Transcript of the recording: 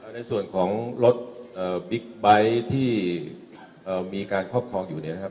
ในส่วนของรถบิ๊กไบท์ที่มีการครอบครองอยู่เนี่ยนะครับ